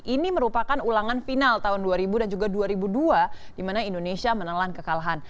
ini merupakan ulangan final tahun dua ribu dan juga dua ribu dua di mana indonesia menelan kekalahan